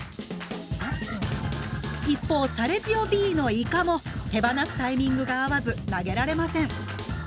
一方サレジオＢのイカも手放すタイミングが合わず投げられません。